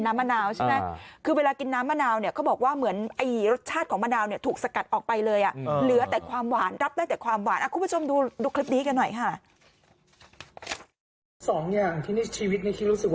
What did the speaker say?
น้ำมะนาวเขาบอกว่าเหมือนรสชาติของมะนาวถูกสกัดออกไปเลยเหลือแต่ความหวานรับได้แต่ความหวานคุณผู้ชมดูคลิปนี้กันหน่อยค่ะ